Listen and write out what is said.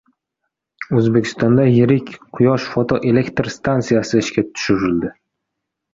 O‘zbekistonda yirik quyosh fotoelektr stansiyasi ishga tushirildi